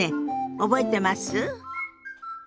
覚えてます？